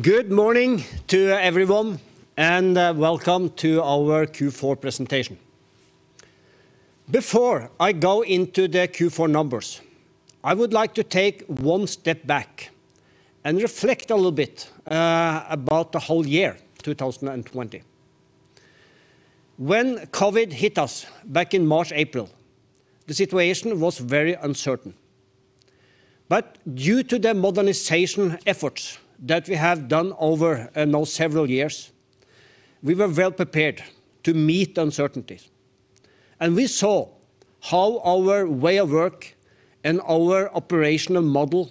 Good morning to everyone, welcome to our Q4 presentation. Before I go into the Q4 numbers, I would like to take one step back and reflect a little bit about the whole year 2020. When COVID hit us back in March, April, the situation was very uncertain. Due to the modernization efforts that we have done over now several years, we were well-prepared to meet uncertainties. We saw how our way of work and our operational model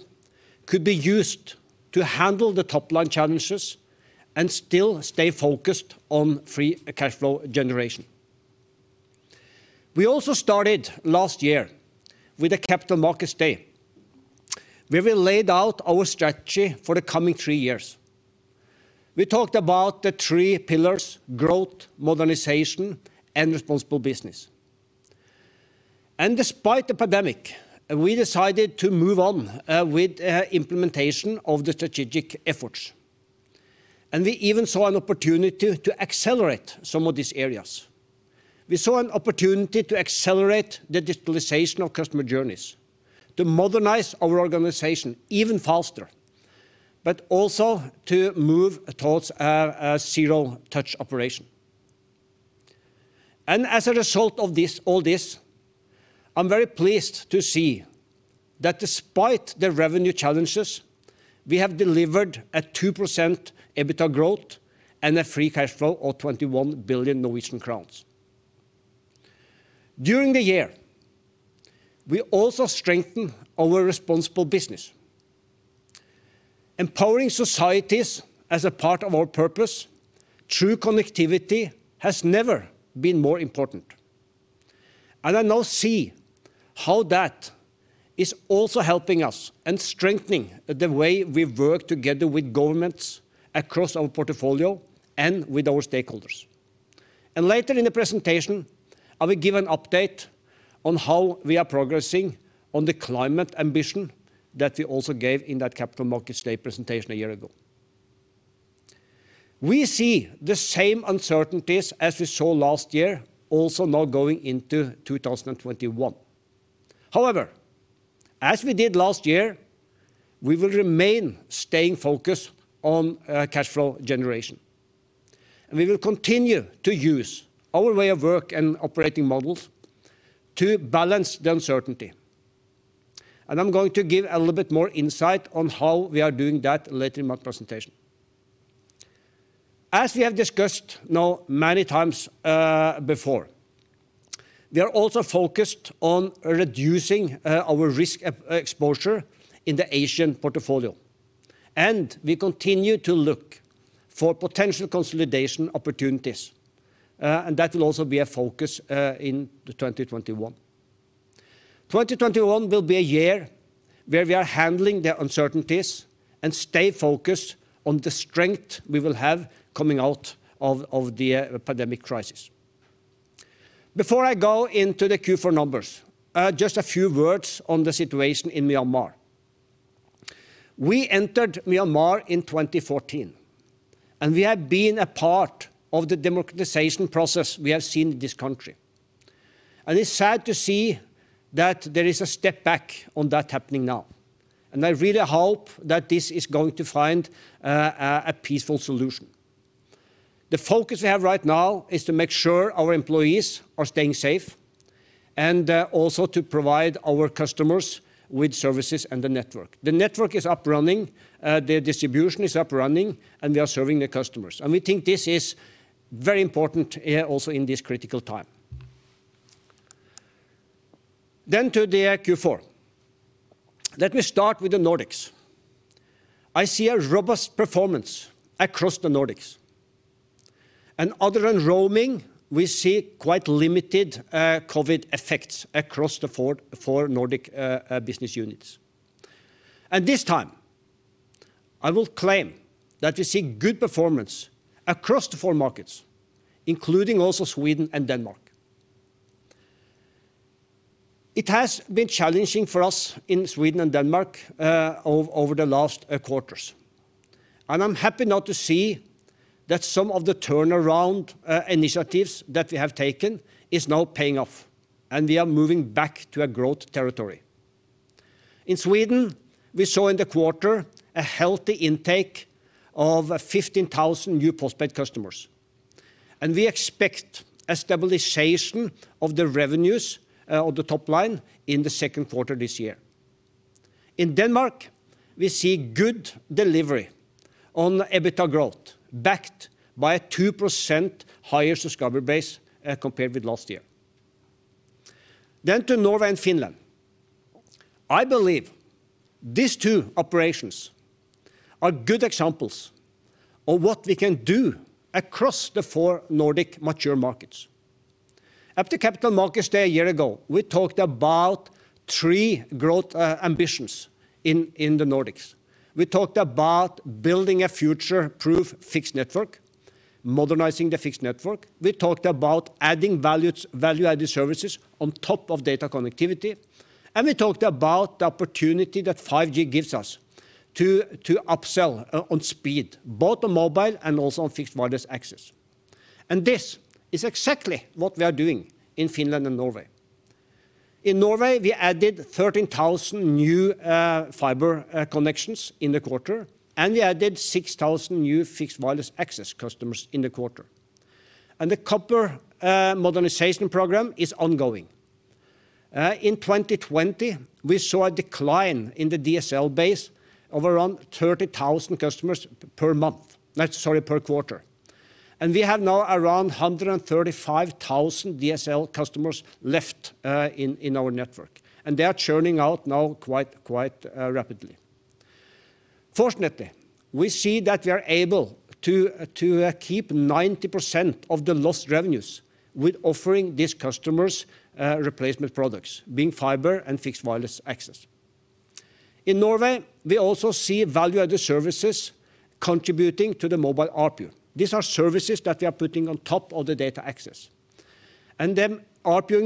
could be used to handle the top-line challenges and still stay focused on free cash flow generation. We also started last year with a Capital Markets Day, where we laid out our strategy for the coming three years. We talked about the three pillars, growth, modernization, and responsible business. Despite the pandemic, we decided to move on with implementation of the strategic efforts. We even saw an opportunity to accelerate some of these areas. We saw an opportunity to accelerate the digitalization of customer journeys, to modernize our organization even faster, but also to move towards a zero-touch operation. As a result of all this, I'm very pleased to see that despite the revenue challenges, we have delivered a 2% EBITDA growth and a free cash flow of 21 billion Norwegian crowns. During the year, we also strengthened our responsible business. Empowering societies as a part of our purpose through connectivity has never been more important, and I now see how that is also helping us and strengthening the way we work together with governments across our portfolio and with our stakeholders. Later in the presentation, I will give an update on how we are progressing on the climate ambition that we also gave in that Capital Markets Day presentation a year ago. We see the same uncertainties as we saw last year also now going into 2021. However, as we did last year, we will remain staying focused on cash flow generation, and we will continue to use our way of work and operating models to balance the uncertainty. I'm going to give a little bit more insight on how we are doing that later in my presentation. As we have discussed now many times before, we are also focused on reducing our risk exposure in the Asian portfolio, and we continue to look for potential consolidation opportunities. That will also be a focus in 2021. 2021 will be a year where we are handling the uncertainties and stay focused on the strength we will have coming out of the pandemic crisis. Before I go into the Q4 numbers, just a few words on the situation in Myanmar. We entered Myanmar in 2014, and we have been a part of the democratization process we have seen in this country. It's sad to see that there is a step back on that happening now, and I really hope that this is going to find a peaceful solution. The focus we have right now is to make sure our employees are staying safe and also to provide our customers with services and the network. The network is up running, the distribution is up running, and we are serving the customers. We think this is very important also in this critical time. To the Q4. Let me start with the Nordics. I see a robust performance across the Nordics. Other than roaming, we see quite limited COVID effects across the four Nordic business units. At this time, I will claim that we see good performance across the four markets, including also Sweden and Denmark. It has been challenging for us in Sweden and Denmark over the last quarters, and I'm happy now to see that some of the turnaround initiatives that we have taken is now paying off, and we are moving back to a growth territory. In Sweden, we saw in the quarter a healthy intake of 15,000 new postpaid customers, and we expect a stabilization of the revenues of the top line in the second quarter this year. In Denmark, we see good delivery on EBITDA growth, backed by a 2% higher subscriber base compared with last year. To Norway and Finland. I believe these two operations are good examples of what we can do across the four Nordic mature markets. At the Capital Markets Day a year ago, we talked about three growth ambitions in the Nordics. We talked about building a future-proof fixed network, modernizing the fixed network. We talked about adding value-added services on top of data connectivity. We talked about the opportunity that 5G gives us to upsell on speed, both on mobile and also on fixed wireless access. This is exactly what we are doing in Finland and Norway. In Norway, we added 13,000 new fiber connections in the quarter. We added 6,000 new fixed wireless access customers in the quarter. The copper modernization program is ongoing. In 2020, we saw a decline in the DSL base of around 30,000 customers per month. Sorry, per quarter. We have now around 135,000 DSL customers left in our network, and they are churning out now quite rapidly. Fortunately, we see that we are able to keep 90% of the lost revenues with offering these customers replacement products, being fiber and fixed wireless access. In Norway, we also see value-added services contributing to the mobile ARPU. These are services that we are putting on top of the data access. The mobile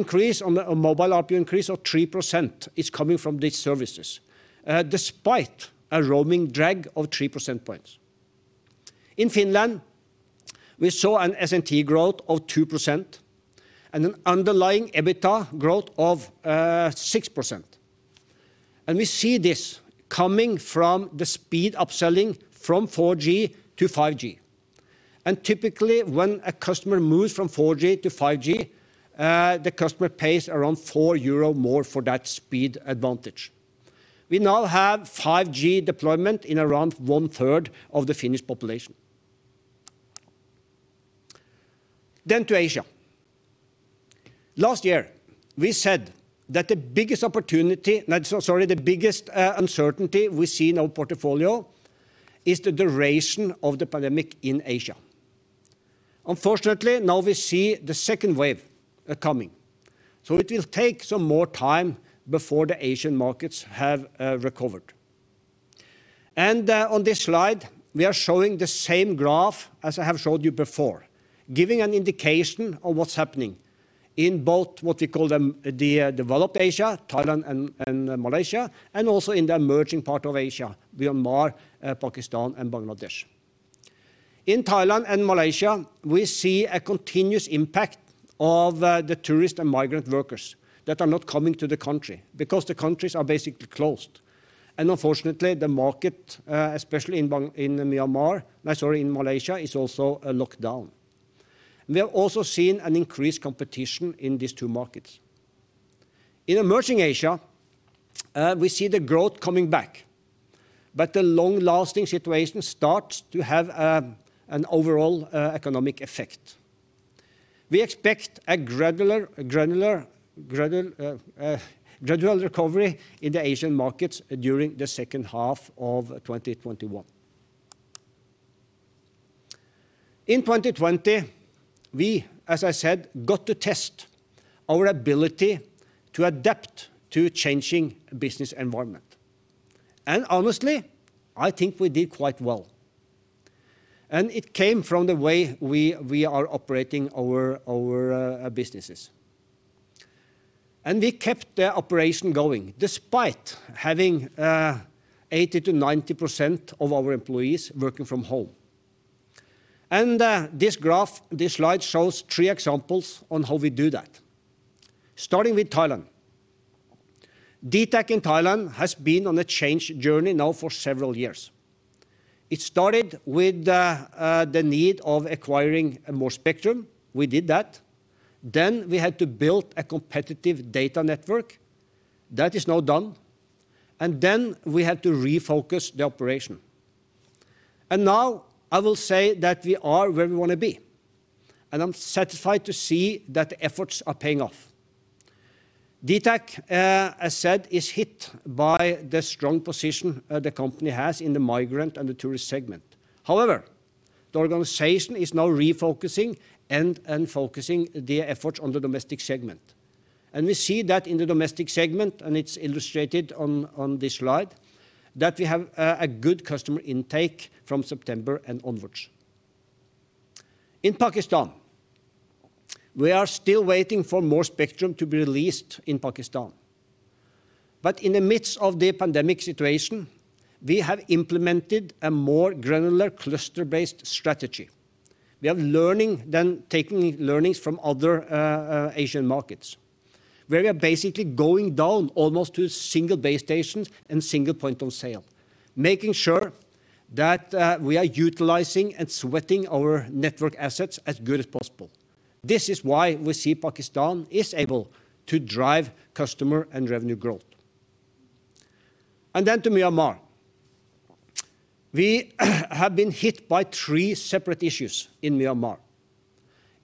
ARPU increase of 3% is coming from these services, despite a roaming drag of 3 percentage points. In Finland, we saw an S&T growth of 2% and an underlying EBITDA growth of 6%. We see this coming from the speed upselling from 4G to 5G. Typically, when a customer moves from 4G to 5G, the customer pays around 4 euro more for that speed advantage. We now have 5G deployment in around one-third of the Finnish population. To Asia. Last year, we said that the biggest opportunity Sorry, the biggest uncertainty we see in our portfolio is the duration of the pandemic in Asia. Now we see the second wave coming, it will take some more time before the Asian markets have recovered. On this slide, we are showing the same graph as I have showed you before, giving an indication of what's happening in both what we call the developed Asia, Thailand and Malaysia, and also in the emerging part of Asia, Myanmar, Pakistan, and Bangladesh. In Thailand and Malaysia, we see a continuous impact of the tourist and migrant workers that are not coming to the country because the countries are basically closed. Unfortunately, the market, especially in Myanmar, sorry, in Malaysia, is also locked down. We have also seen an increased competition in these two markets. In emerging Asia, we see the growth coming back, the long-lasting situation starts to have an overall economic effect. We expect a gradual recovery in the Asian markets during the second half of 2021. In 2020, we, as I said, got to test our ability to adapt to changing business environment. Honestly, I think we did quite well. It came from the way we are operating our businesses. We kept the operation going despite having 80%-90% of our employees working from home. This slide shows three examples on how we do that, starting with Thailand. DTAC in Thailand has been on a change journey now for several years. It started with the need of acquiring more spectrum. We did that. We had to build a competitive data network. That is now done. We had to refocus the operation. Now I will say that we are where we want to be, and I'm satisfied to see that the efforts are paying off. DTAC, as I said, is hit by the strong position the company has in the migrant and the tourist segment. However, the organization is now refocusing and focusing their efforts on the domestic segment. We see that in the domestic segment, and it's illustrated on this slide, that we have a good customer intake from September and onwards. In Pakistan, we are still waiting for more spectrum to be released in Pakistan. In the midst of the pandemic situation, we have implemented a more granular, cluster-based strategy. We are taking learnings from other Asian markets, where we are basically going down almost to single base stations and single point of sale, making sure that we are utilizing and sweating our network assets as good as possible. This is why we see Pakistan is able to drive customer and revenue growth. To Myanmar. We have been hit by three separate issues in Myanmar.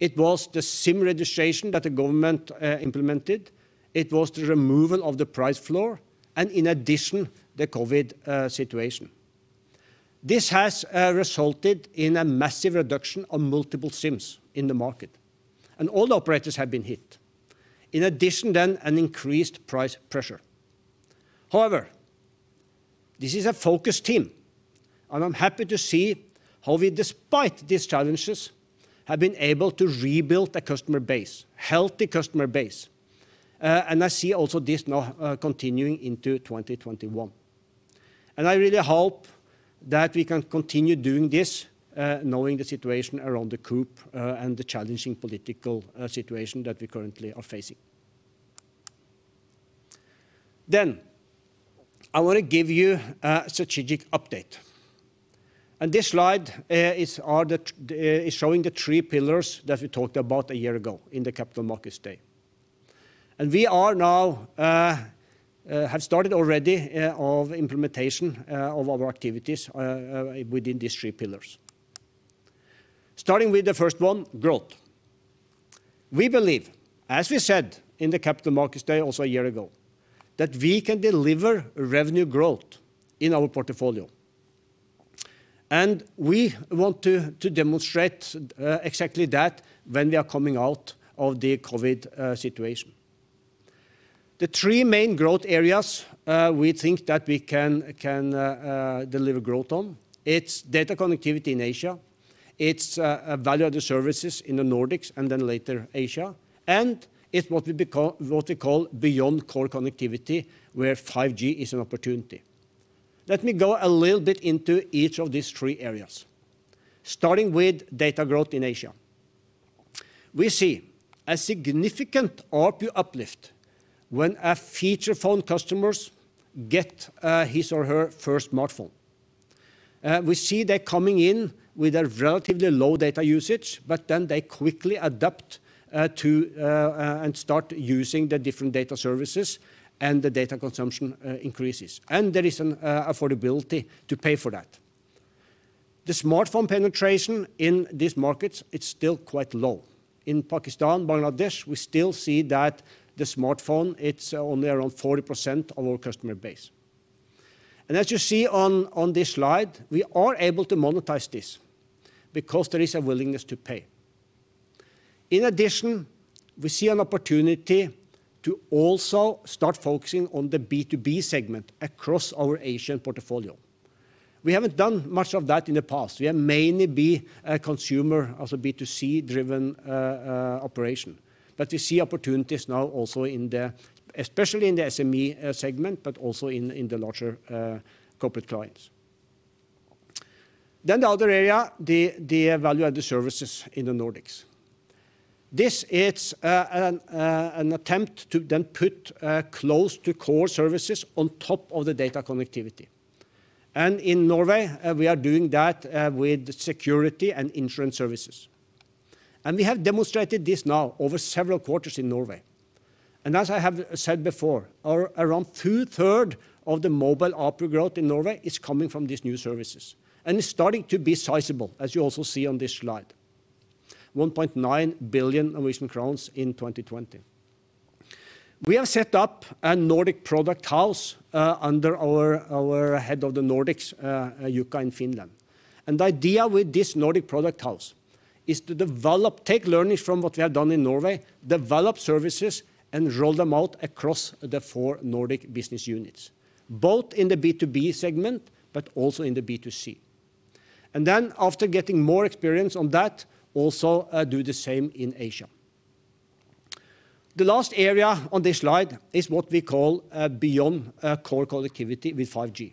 It was the SIM registration that the government implemented, it was the removal of the price floor, and in addition, the COVID situation. This has resulted in a massive reduction of multiple SIMs in the market, and all operators have been hit. An increased price pressure. However, this is a focused team, and I'm happy to see how we, despite these challenges, have been able to rebuild a customer base, healthy customer base. I see also this now continuing into 2021. I really hope that we can continue doing this, knowing the situation around the coup and the challenging political situation that we currently are facing. I want to give you a strategic update. This slide is showing the three pillars that we talked about a year ago in the Capital Markets Day. We now have started already of implementation of our activities within these three pillars. Starting with the first one, growth. We believe, as we said in the Capital Markets Day also a year ago, that we can deliver revenue growth in our portfolio. We want to demonstrate exactly that when we are coming out of the COVID situation. The three main growth areas we think that we can deliver growth on, it's data connectivity in Asia, it's value-added services in the Nordics, and then later Asia, and it's what we call beyond-core connectivity, where 5G is an opportunity. Let me go a little bit into each of these three areas. Starting with data growth in Asia. We see a significant ARPU uplift when a feature phone customers get his or her first smartphone. We see they're coming in with a relatively low data usage, but then they quickly adapt to and start using the different data services, and the data consumption increases. There is an affordability to pay for that. The smartphone penetration in these markets, it's still quite low. In Pakistan, Bangladesh, we still see that the smartphone, it's only around 40% of our customer base. As you see on this slide, we are able to monetize this because there is a willingness to pay. In addition, we see an opportunity to also start focusing on the B2B segment across our Asian portfolio. We haven't done much of that in the past. We have mainly been a consumer, also B2C-driven operation. We see opportunities now also, especially in the SME segment, but also in the larger corporate clients. The other area, the value-added services in the Nordics. This is an attempt to then put close to core services on top of the data connectivity. In Norway, we are doing that with security and insurance services. We have demonstrated this now over several quarters in Norway. As I have said before, around two third of the mobile ARPU growth in Norway is coming from these new services. It's starting to be sizable, as you also see on this slide, 1.9 billion Norwegian crowns in 2020. We have set up a Nordic product house under our head of the Nordics, Jukka, in Finland. The idea with this Nordic product house is to take learnings from what we have done in Norway, develop services, and roll them out across the four Nordic business units, both in the B2B segment but also in the B2C. After getting more experience on that, also do the same in Asia. The last area on this slide is what we call beyond-core connectivity with 5G.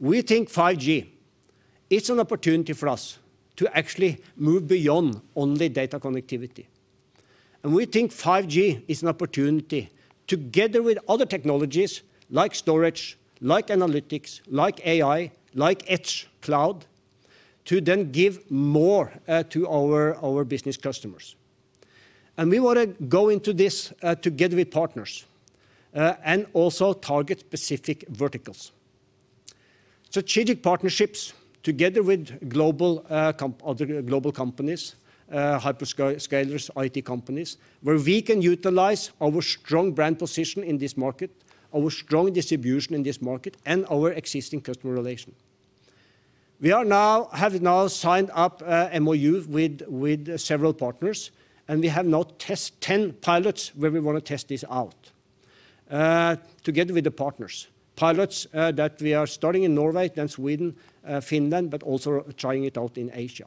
We think 5G is an opportunity for us to actually move beyond only data connectivity. We think 5G is an opportunity, together with other technologies like storage, like analytics, like AI, like edge cloud, to then give more to our business customers. We want to go into this together with partners, and also target specific verticals. Strategic partnerships together with other global companies, hyperscalers, IT companies, where we can utilize our strong brand position in this market, our strong distribution in this market, and our existing customer relation. We have now signed up a MoU with several partners, and we have now 10 pilots where we want to test this out together with the partners. Pilots that we are starting in Norway, then Sweden, Finland, but also trying it out in Asia.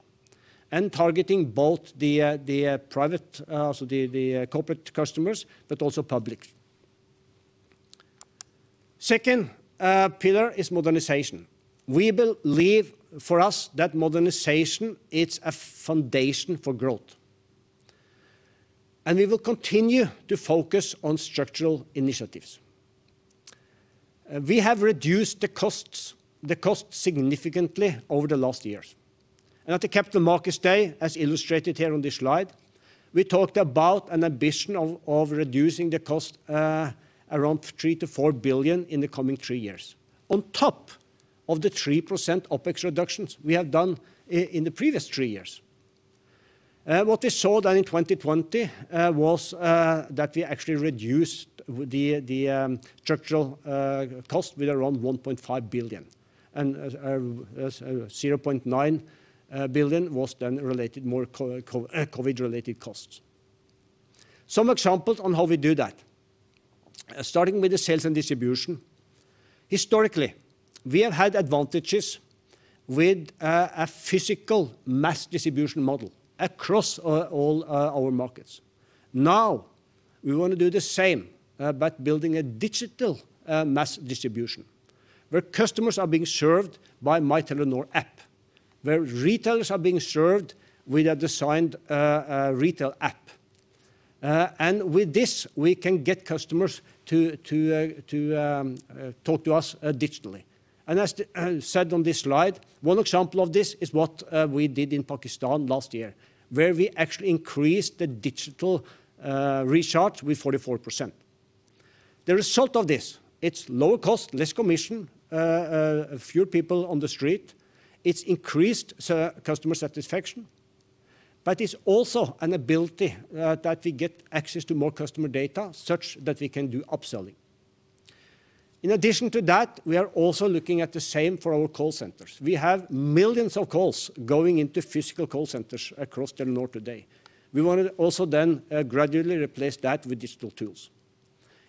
Targeting both the corporate customers, but also public. Second pillar is modernization. We believe, for us, that modernization, it's a foundation for growth. We will continue to focus on structural initiatives. We have reduced the costs significantly over the last years. At the Capital Markets Day, as illustrated here on this slide, we talked about an ambition of reducing the cost around 3 billion-4 billion in the coming three years, on top of the 3% OpEx reductions we have done in the previous three years. What we saw then in 2020 was that we actually reduced the structural cost with around 1.5 billion. 0.9 billion was then more COVID-related costs. Some examples on how we do that, starting with the sales and distribution. Historically, we have had advantages with a physical mass distribution model across all our markets. Now we want to do the same, but building a digital mass distribution where customers are being served by MyTelenor app, where retailers are being served with a designed retail app. With this, we can get customers to talk to us digitally. As said on this slide, one example of this is what we did in Pakistan last year, where we actually increased the digital recharge with 44%. The result of this, it's lower cost, less commission, fewer people on the street. It's increased customer satisfaction, but it's also an ability that we get access to more customer data such that we can do upselling. In addition to that, we are also looking at the same for our call centers. We have millions of calls going into physical call centers across Telenor today. We want to also then gradually replace that with digital tools.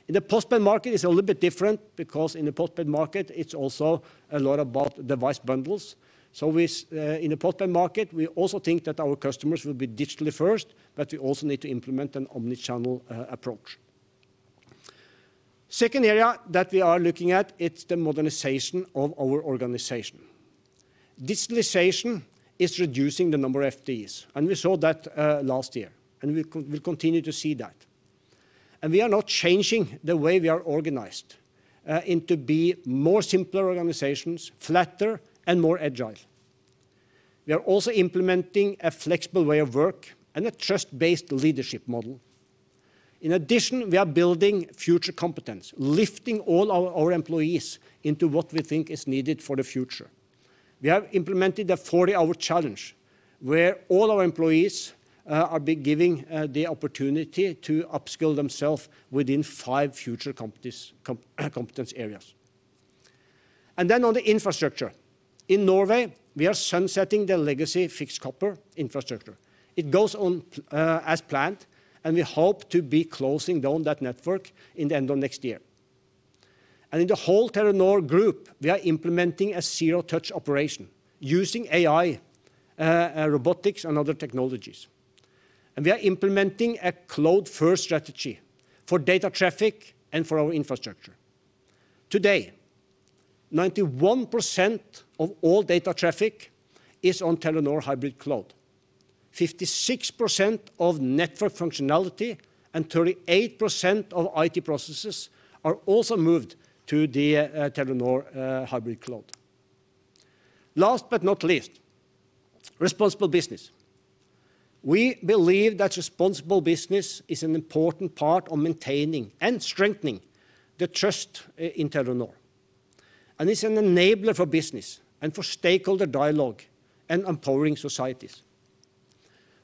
In the postpaid market, it's a little bit different because in the postpaid market, it's also a lot about device bundles. In the postpaid market, we also think that our customers will be digitally first, but we also need to implement an omni-channel approach. Second area that we are looking at, it's the modernization of our organization. Digitalization is reducing the number of FTEs. We saw that last year, and we will continue to see that. We are now changing the way we are organized to be more simpler organizations, flatter, and more agile. We are also implementing a flexible way of work and a trust-based leadership model. In addition, we are building future competence, lifting all our employees into what we think is needed for the future. We have implemented a 40-hour challenge, where all our employees are be giving the opportunity to upskill themselves within five future competence areas. On the infrastructure. In Norway, we are sunsetting the legacy fixed copper infrastructure. It goes on as planned, and we hope to be closing down that network in the end of next year. In the whole Telenor Group, we are implementing a zero-touch operation using AI, robotics, and other technologies. We are implementing a cloud-first strategy for data traffic and for our infrastructure. Today, 91% of all data traffic is on Telenor Hybrid Cloud. 56% of network functionality and 38% of IT processes are also moved to the Telenor Hybrid Cloud. Last but not least, responsible business. We believe that responsible business is an important part of maintaining and strengthening the trust in Telenor, and is an enabler for business and for stakeholder dialogue and empowering societies.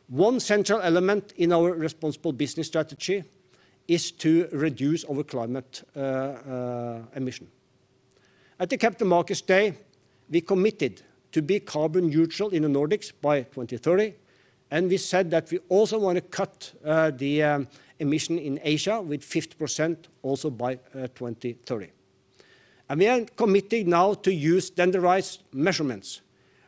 One central element in our responsible business strategy is to reduce our climate emission. At the Capital Markets Day, we committed to be carbon neutral in the Nordics by 2030, and we said that we also want to cut the emission in Asia with 50% also by 2030. We are committing now to use standardized measurements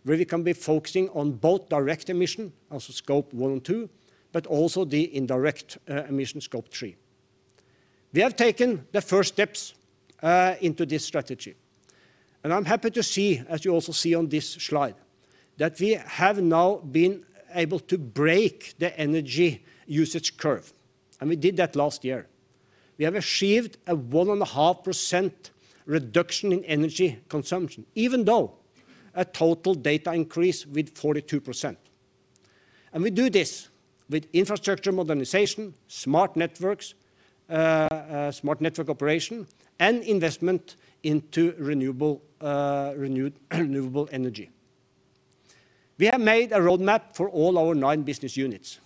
where we can be focusing on both direct emission, also Scope 1 and 2, but also the indirect emission Scope 3. We have taken the first steps into this strategy. I'm happy to see, as you also see on this slide, that we have now been able to break the energy usage curve, and we did that last year. We have achieved a 1.5% reduction in energy consumption, even though a total data increase with 42%. We do this with infrastructure modernization, smart networks, smart network operation, and investment into renewable energy. We have made a roadmap for all our nine business units,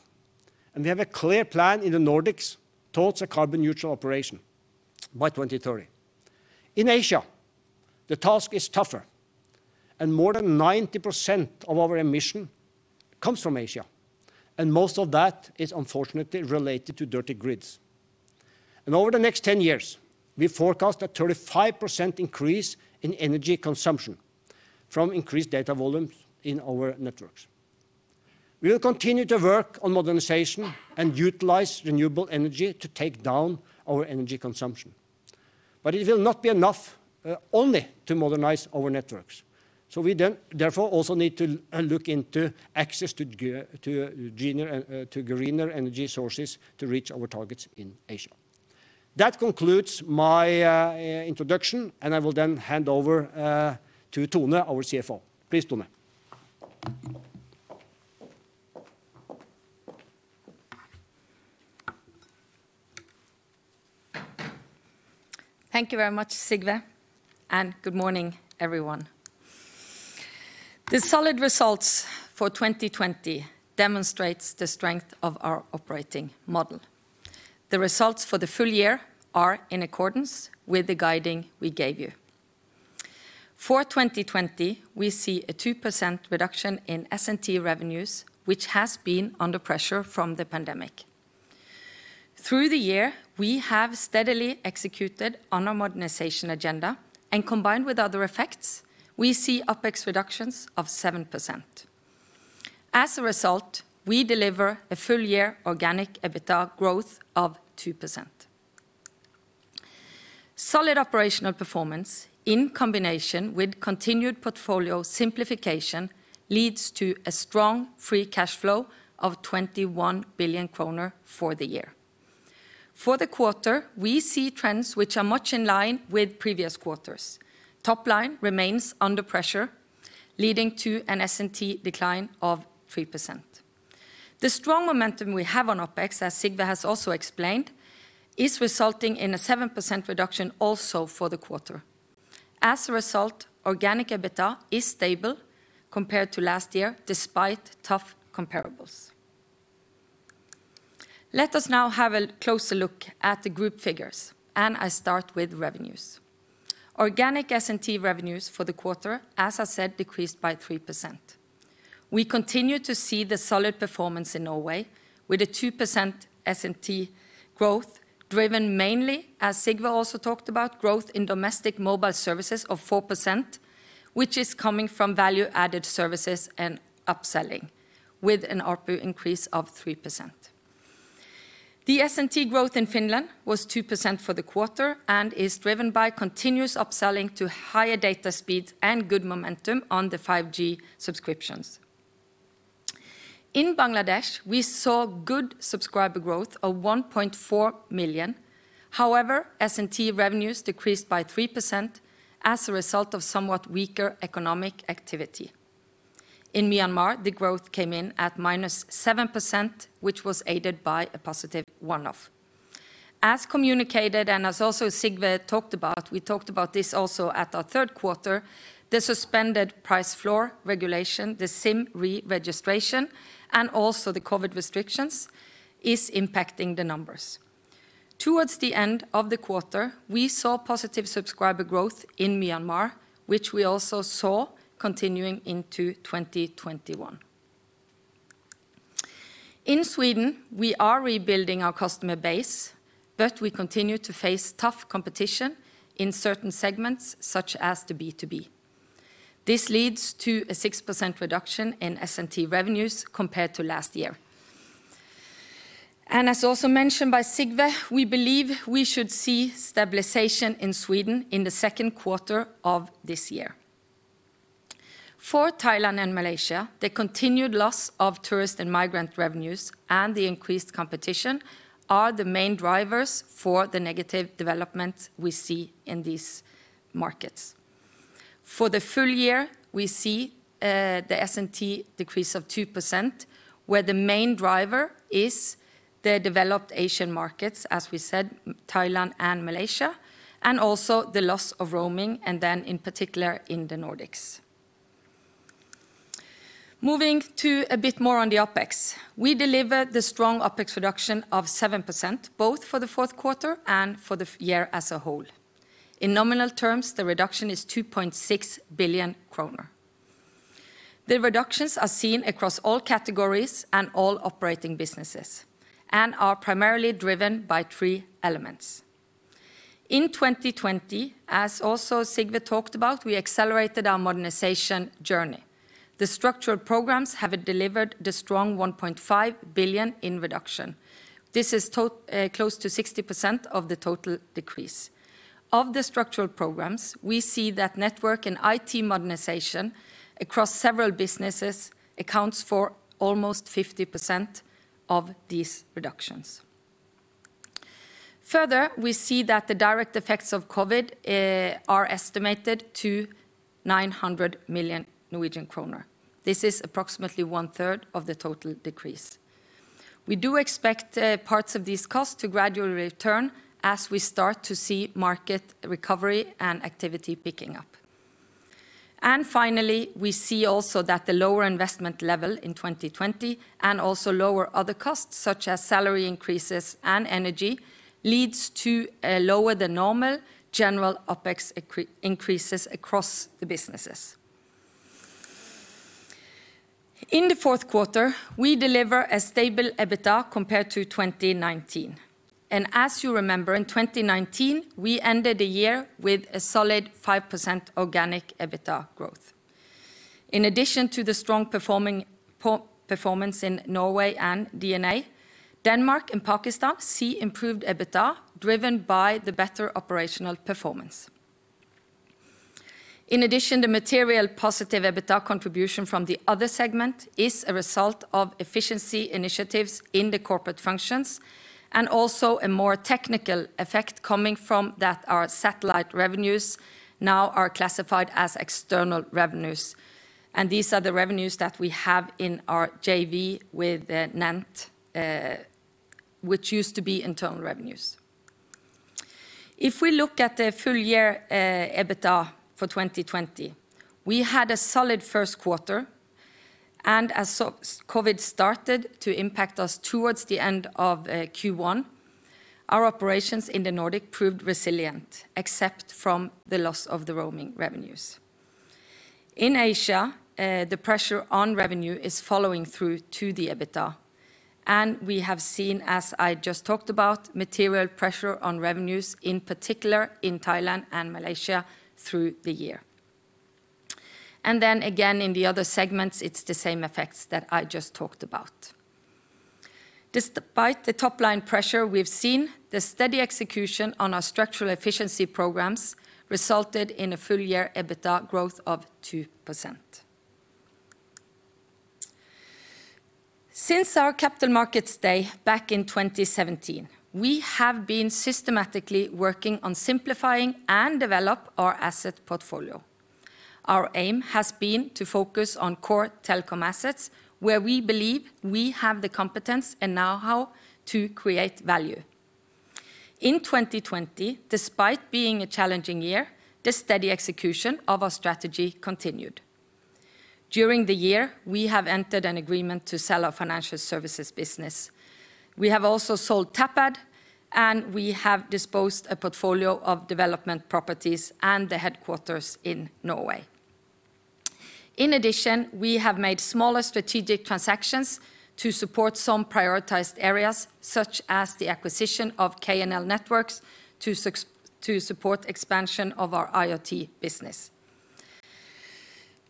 and we have a clear plan in the Nordics towards a carbon neutral operation by 2030. In Asia, the task is tougher, and more than 90% of our emission comes from Asia, and most of that is unfortunately related to dirty grids. Over the next 10 years, we forecast a 35% increase in energy consumption from increased data volumes in our networks. We will continue to work on modernization and utilize renewable energy to take down our energy consumption. It will not be enough only to modernize our networks. We then therefore also need to look into access to greener energy sources to reach our targets in Asia. That concludes my introduction, and I will then hand over to Tone, our CFO. Please, Tone. Thank you very much, Sigve, and good morning, everyone. The solid results for 2020 demonstrates the strength of our operating model. The results for the full year are in accordance with the guiding we gave you. For 2020, we see a 2% reduction in S&T revenues, which has been under pressure from the pandemic. Through the year, we have steadily executed on our modernization agenda, and combined with other effects, we see OpEx reductions of 7%. As a result, we deliver a full-year organic EBITDA growth of 2%. Solid operational performance in combination with continued portfolio simplification leads to a strong free cash flow of 21 billion kroner for the year. For the quarter, we see trends which are much in line with previous quarters. Top line remains under pressure, leading to an S&T decline of 3%. The strong momentum we have on OpEx, as Sigve has also explained, is resulting in a 7% reduction also for the quarter. As a result, organic EBITDA is stable compared to last year, despite tough comparables. Let us now have a closer look at the group figures, and I start with revenues. Organic S&T revenues for the quarter, as I said, decreased by 3%. We continue to see the solid performance in Norway with a 2% S&T growth driven mainly, as Sigve also talked about, growth in domestic mobile services of 4%, which is coming from value-added services and upselling with an ARPU increase of 3%. The S&T growth in Finland was 2% for the quarter and is driven by continuous upselling to higher data speeds and good momentum on the 5G subscriptions. In Bangladesh, we saw good subscriber growth of 1.4 million. However, S&T revenues decreased by 3% as a result of somewhat weaker economic activity. In Myanmar, the growth came in at -7%, which was aided by a positive one-off. As communicated, and as also Sigve talked about, we talked about this also at our third quarter, the suspended price floor regulation, the SIM re-registration, and also the COVID restrictions is impacting the numbers. Towards the end of the quarter, we saw positive subscriber growth in Myanmar, which we also saw continuing into 2021. In Sweden, we are rebuilding our customer base, but we continue to face tough competition in certain segments such as the B2B. This leads to a 6% reduction in S&T revenues compared to last year. As also mentioned by Sigve, we believe we should see stabilization in Sweden in the second quarter of this year. For Thailand and Malaysia, the continued loss of tourist and migrant revenues and the increased competition are the main drivers for the negative development we see in these markets. For the full year, we see the S&T decrease of 2%, where the main driver is the developed Asian markets, as we said, Thailand and Malaysia, also the loss of roaming, in particular in the Nordics. Moving to a bit more on the OpEx. We delivered the strong OpEx reduction of 7%, both for the fourth quarter and for the year as a whole. In nominal terms, the reduction is 2.6 billion kroner. The reductions are seen across all categories and all operating businesses and are primarily driven by three elements. In 2020, as also Sigve talked about, we accelerated our modernization journey. The structural programs have delivered the strong 1.5 billion in reduction. This is close to 60% of the total decrease. Of the structural programs, we see that network and IT modernization across several businesses accounts for almost 50% of these reductions. Further, we see that the direct effects of COVID are estimated to 900 million Norwegian kroner. This is approximately one-third of the total decrease. We do expect parts of these costs to gradually return as we start to see market recovery and activity picking up. Finally, we see also that the lower investment level in 2020 and also lower other costs, such as salary increases and energy, leads to a lower than normal general OpEx increases across the businesses. In the fourth quarter, we deliver a stable EBITDA compared to 2019. As you remember, in 2019, we ended the year with a solid 5% organic EBITDA growth. In addition to the strong performance in Norway and DNA, Denmark and Pakistan see improved EBITDA driven by the better operational performance. In addition, the material positive EBITDA contribution from the other segment is a result of efficiency initiatives in the corporate functions and also a more technical effect coming from that our satellite revenues now are classified as external revenues. These are the revenues that we have in our JV with NENT, which used to be internal revenues. If we look at the full year EBITDA for 2020, we had a solid first quarter, and as COVID started to impact us towards the end of Q1, our operations in the Nordic proved resilient, except from the loss of the roaming revenues. In Asia, the pressure on revenue is following through to the EBITDA. We have seen, as I just talked about, material pressure on revenues, in particular in Thailand and Malaysia through the year. Then again, in the other segments, it's the same effects that I just talked about. Despite the top-line pressure we've seen, the steady execution on our structural efficiency programs resulted in a full-year EBITDA growth of 2%. Since our Capital Markets Day back in 2017, we have been systematically working on simplifying and develop our asset portfolio. Our aim has been to focus on core telecom assets where we believe we have the competence and know-how to create value. In 2020, despite being a challenging year, the steady execution of our strategy continued. During the year, we have entered an agreement to sell our financial services business. We have also sold Tapad, and we have disposed a portfolio of development properties and the headquarters in Norway. In addition, we have made smaller strategic transactions to support some prioritized areas, such as the acquisition of KNL Networks to support expansion of our IoT business.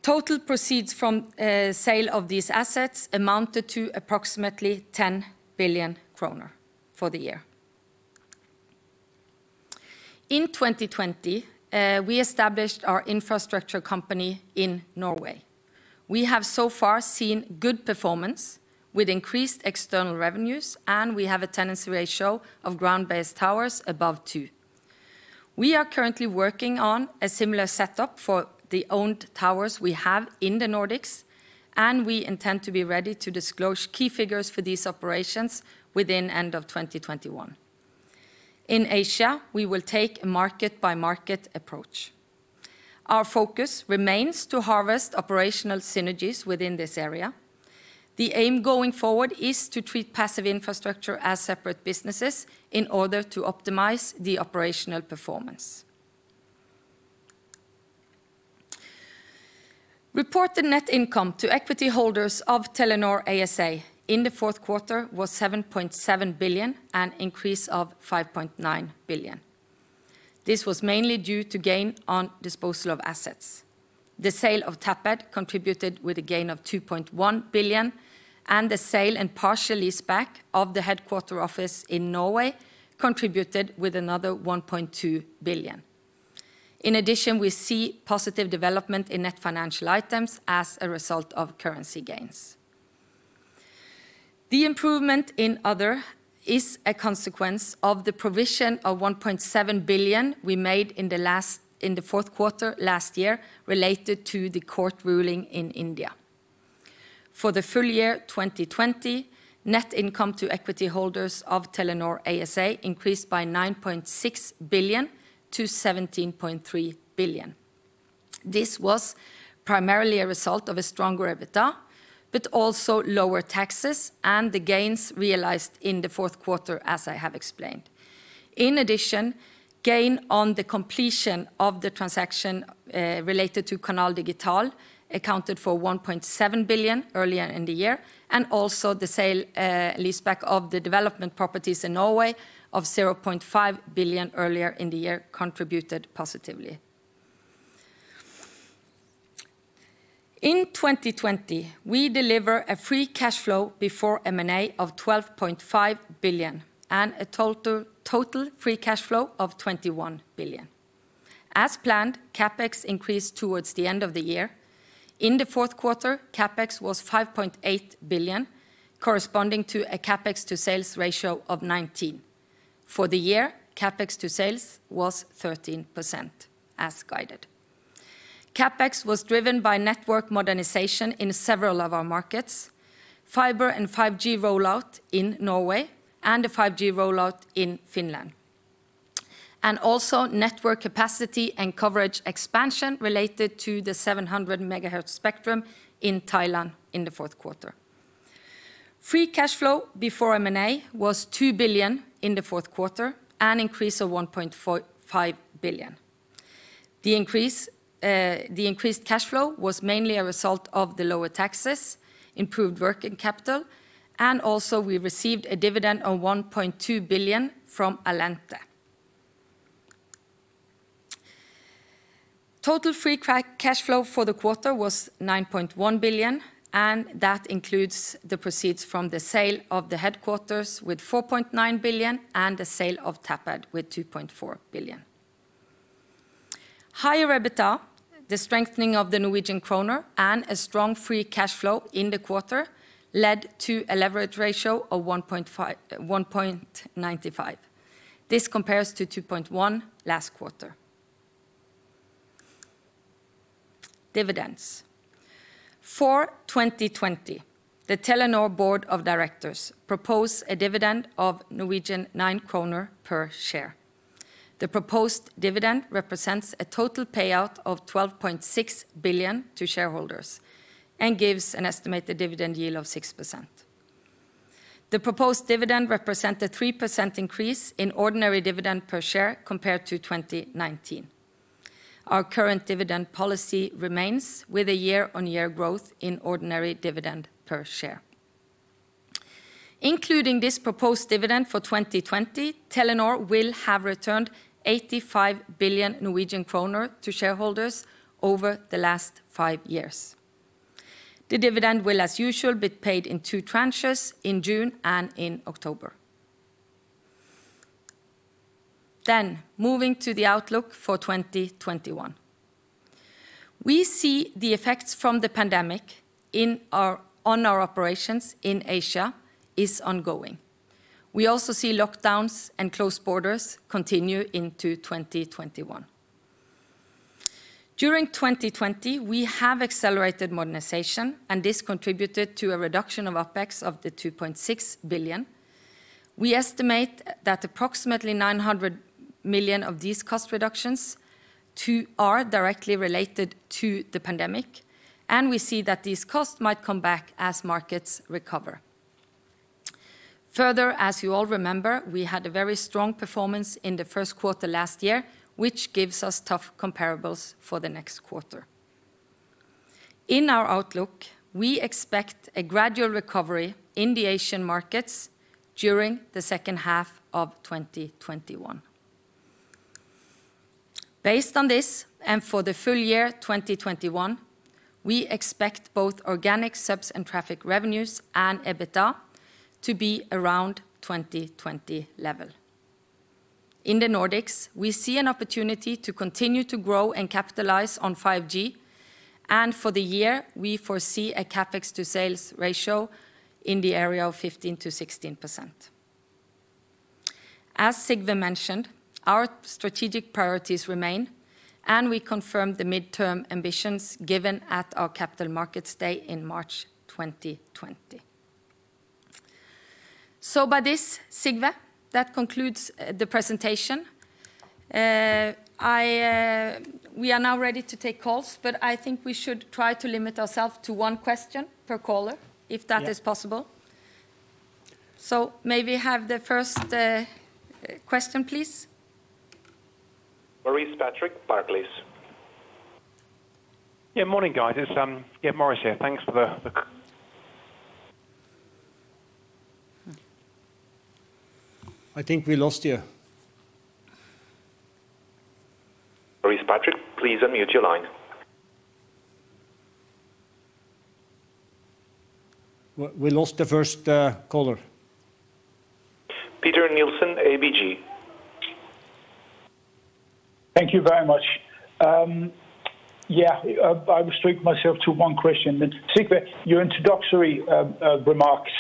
Total proceeds from sale of these assets amounted to approximately 10 billion kroner for the year. In 2020, we established our infrastructure company in Norway. We have so far seen good performance with increased external revenues, and we have a tenancy ratio of ground-based towers above two. We are currently working on a similar setup for the owned towers we have in the Nordics, and we intend to be ready to disclose key figures for these operations within end of 2021. In Asia, we will take a market-by-market approach. Our focus remains to harvest operational synergies within this area. The aim going forward is to treat passive infrastructure as separate businesses in order to optimize the operational performance. Reported net income to equity holders of Telenor ASA in the fourth quarter was 7.7 billion, an increase of 5.9 billion. This was mainly due to gain on disposal of assets. The sale of Tapad contributed with a gain of 2.1 billion, and the sale and partial lease back of the headquarter office in Norway contributed with another 1.2 billion. In addition, we see positive development in net financial items as a result of currency gains. The improvement in other is a consequence of the provision of 1.7 billion we made in the fourth quarter last year related to the court ruling in India. For the full year 2020, net income to equity holders of Telenor ASA increased by 9.6 billion to 17.3 billion. This was primarily a result of a stronger EBITDA, but also lower taxes and the gains realized in the fourth quarter as I have explained. In addition, gain on the completion of the transaction related to Canal Digital accounted for 1.7 billion earlier in the year, and also the sale leaseback of the development properties in Norway of 0.5 billion earlier in the year contributed positively. In 2020, we deliver a free cash flow before M&A of 12.5 billion and a total free cash flow of 21 billion. As planned, CapEx increased towards the end of the year. In the fourth quarter, CapEx was 5.8 billion, corresponding to a CapEx to sales ratio of 19%. For the year, CapEx to sales was 13%, as guided. CapEx was driven by network modernization in several of our markets, fiber and 5G rollout in Norway, and a 5G rollout in Finland, and also network capacity and coverage expansion related to the 700 MHz spectrum in Thailand in the fourth quarter. Free cash flow before M&A was 2 billion in the fourth quarter, an increase of 1.5 billion. The increased cash flow was mainly a result of the lower taxes, improved working capital, and also we received a dividend of 1.2 billion from Allente. Total free cash flow for the quarter was 9.1 billion, and that includes the proceeds from the sale of the headquarters with 4.9 billion and the sale of Tapad with 2.4 billion. Higher EBITDA, the strengthening of the Norwegian kroner, and a strong free cash flow in the quarter led to a leverage ratio of 1.95. This compares to 2.1 last quarter. Dividends. For 2020, the Telenor Board of Directors propose a dividend of 9 kroner per share. The proposed dividend represents a total payout of 12.6 billion to shareholders and gives an estimated dividend yield of 6%. The proposed dividend represent a 3% increase in ordinary dividend per share compared to 2019. Our current dividend policy remains with a year-over-year growth in ordinary dividend per share. Including this proposed dividend for 2020, Telenor will have returned 85 billion Norwegian kroner to shareholders over the last five years. The dividend will, as usual, be paid in two tranches in June and in October. Moving to the outlook for 2021. We see the effects from the pandemic on our operations in Asia is ongoing. We also see lockdowns and closed borders continue into 2021. During 2020, we have accelerated modernization, and this contributed to a reduction of OpEx of the 2.6 billion. We estimate that approximately 900 million of these cost reductions are directly related to the pandemic, and we see that these costs might come back as markets recover. As you all remember, we had a very strong performance in the first quarter last year, which gives us tough comparables for the next quarter. In our outlook, we expect a gradual recovery in the Asian markets during the second half of 2021. Based on this, and for the full year 2021, we expect both organic S&T revenues and EBITDA to be around 2020 level. In the Nordics, we see an opportunity to continue to grow and capitalize on 5G, and for the year, we foresee a CapEx to sales ratio in the area of 15%-16%. As Sigve mentioned, our strategic priorities remain, and we confirm the midterm ambitions given at our Capital Markets Day in March 2020. By this, Sigve, that concludes the presentation. We are now ready to take calls, but I think we should try to limit ourselves to one question per caller. Yes if that is possible. May we have the first question, please. Maurice Patrick, Barclays. Yeah, morning guys. It's Maurice here. Thanks for the I think we lost you. Maurice Patrick, please unmute your line. We lost the first caller. Peter Nielsen, ABG. Thank you very much. Yeah, I'll restrict myself to one question. Sigve, your introductory remarks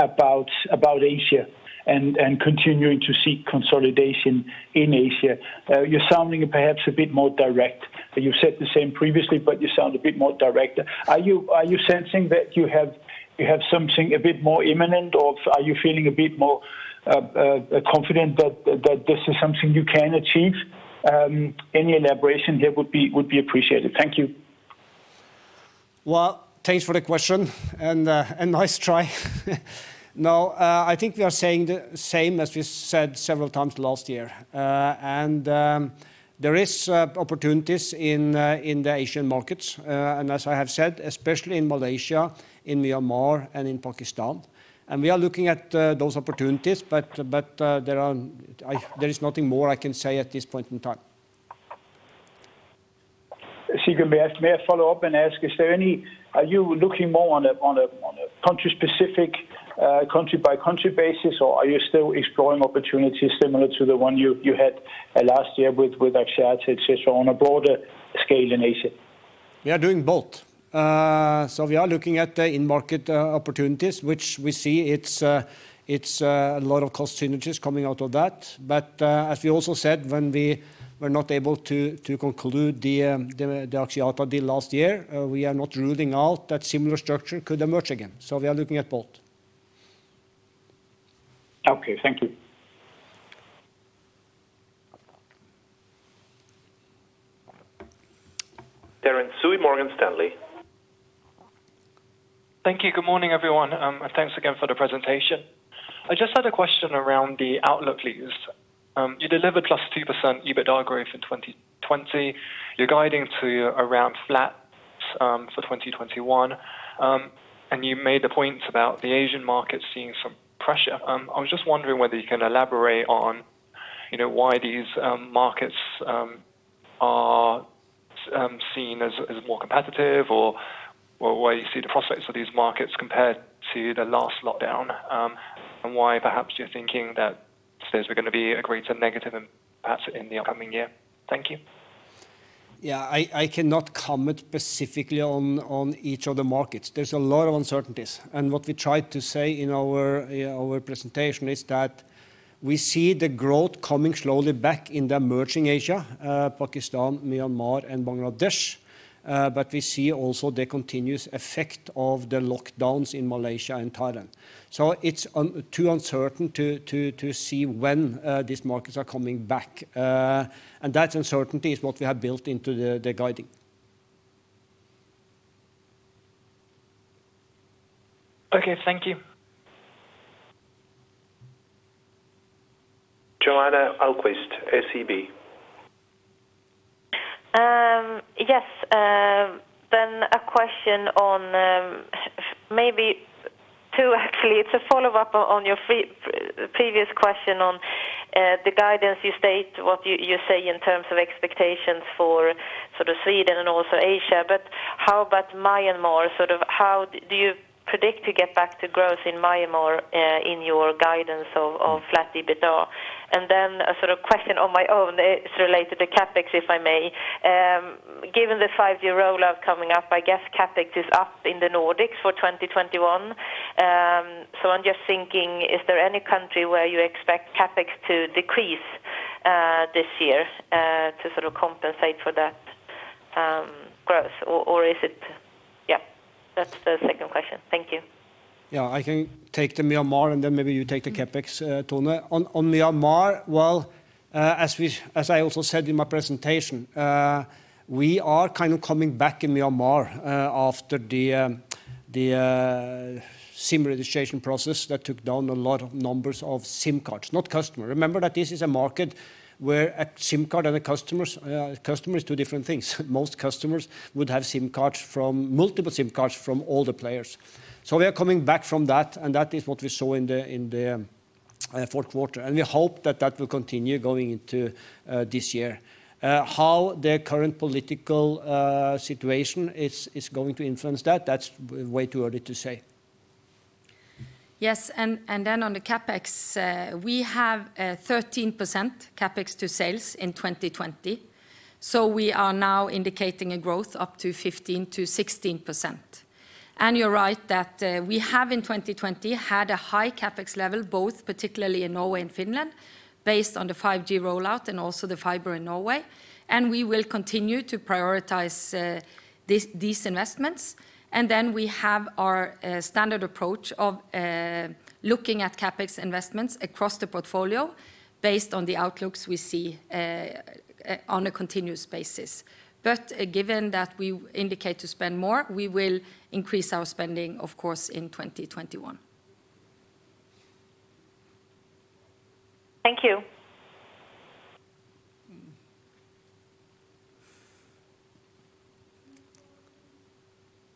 about Asia and continuing to seek consolidation in Asia, you're sounding perhaps a bit more direct. You've said the same previously, you sound a bit more direct. Are you sensing that you have something a bit more imminent, or are you feeling a bit more confident that this is something you can achieve? Any elaboration here would be appreciated. Thank you. Well, thanks for the question, and nice try. No, I think we are saying the same as we said several times last year. There is opportunities in the Asian markets, and as I have said, especially in Malaysia, in Myanmar, and in Pakistan. We are looking at those opportunities, but there is nothing more I can say at this point in time. Sigve, may I follow up and ask, are you looking more on a country-specific, country-by-country basis, or are you still exploring opportunities similar to the one you had last year with Axiata, et cetera, on a broader scale in Asia? We are doing both. We are looking at in-market opportunities, which we see it's a lot of cost synergies coming out of that. As we also said, when we were not able to conclude the Axiata deal last year, we are not ruling out that similar structure could emerge again. We are looking at both. Okay. Thank you. Terence Tsui, Morgan Stanley. Thank you. Good morning, everyone. Thanks again for the presentation. I just had a question around the outlook, please. You delivered +2% EBITDA growth in 2020. You're guiding to around flat for 2021. You made the point about the Asian market seeing some pressure. I was just wondering whether you can elaborate on why these markets are seen as more competitive, or why you see the prospects for these markets compared to the last lockdown, and why perhaps you're thinking that those are going to be a greater negative perhaps in the upcoming year. Thank you. Yeah. I cannot comment specifically on each of the markets. There's a lot of uncertainties. What we tried to say in our presentation is that we see the growth coming slowly back in the emerging Asia, Pakistan, Myanmar, and Bangladesh. We see also the continuous effect of the lockdowns in Malaysia and Thailand. It's too uncertain to see when these markets are coming back. That uncertainty is what we have built into the guiding. Okay. Thank you. Johanna Ahlqvist, SEB. Yes. A question on, maybe two actually. It's a follow-up on your previous question on the guidance you state, what you say in terms of expectations for Sweden and also Asia, but how about Myanmar? Do you predict to get back to growth in Myanmar in your guidance of flat EBITDA? A question on my own. It's related to CapEx, if I may. Given the five-year rollout coming up, I guess CapEx is up in the Nordics for 2021. I'm just thinking, is there any country where you expect CapEx to decrease this year to compensate for that growth? Is it Yeah, that's the second question. Thank you. Yeah, I can take the Myanmar and then maybe you take the CapEx, Tone. On Myanmar, well, as I also said in my presentation, we are kind of coming back in Myanmar after the SIM registration process that took down a lot of numbers of SIM cards, not customer. Remember that this is a market where a SIM card and a customer is two different things. Most customers would have multiple SIM cards from all the players. We are coming back from that, and that is what we saw in the fourth quarter, and we hope that that will continue going into this year. How the current political situation is going to influence that's way too early to say. Yes. On the CapEx, we have 13% CapEx to sales in 2020. We are now indicating a growth up to 15%-16%. You're right that we have, in 2020, had a high CapEx level, both particularly in Norway and Finland, based on the 5G rollout and also the fiber in Norway. We will continue to prioritize these investments. We have our standard approach of looking at CapEx investments across the portfolio based on the outlooks we see on a continuous basis. Given that we indicate to spend more, we will increase our spending, of course, in 2021. Thank you.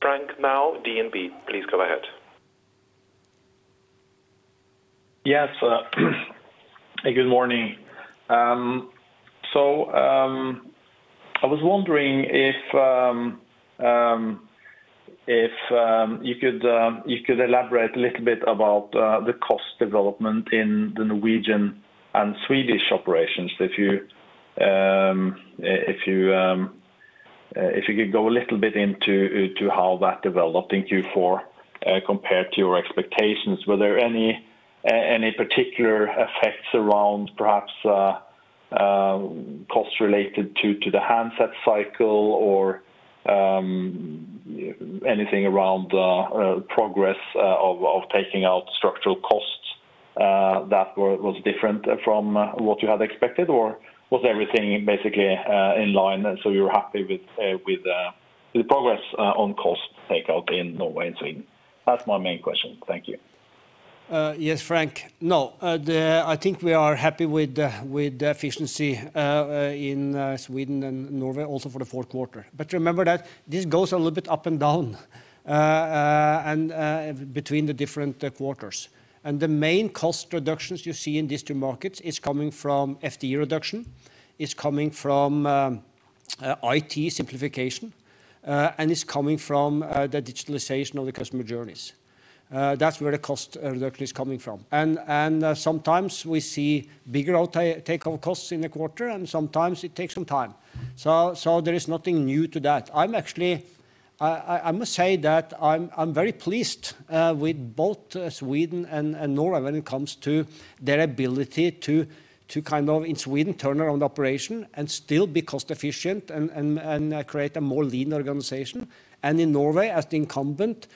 Frank Maaø, DNB, please go ahead. Yes. Good morning. I was wondering if you could elaborate a little bit about the cost development in the Norwegian and Swedish operations. If you could go a little bit into how that developed in Q4 compared to your expectations. Were there any particular effects around perhaps costs related to the handset cycle or anything around the progress of taking out structural costs that was different from what you had expected? Was everything basically in line, and so you're happy with the progress on cost takeout in Norway and Sweden? That's my main question. Thank you. Yes, Frank. No. I think we are happy with the efficiency in Sweden and Norway also for the fourth quarter. Remember that this goes a little bit up and down between the different quarters. The main cost reductions you see in these two markets is coming from FTE reduction, is coming from IT simplification, and it's coming from the digitalization of the customer journeys. That's where the cost reduction is coming from. Sometimes we see bigger takeout costs in the quarter, and sometimes it takes some time. There is nothing new to that. I must say that I'm very pleased with both Sweden and Norway when it comes to their ability to, in Sweden, turn around the operation and still be cost efficient and create a more lean organization. In Norway, as the incumbent,